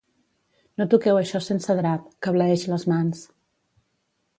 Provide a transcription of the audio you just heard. No toqueu això sense drap, que bleeix les mans.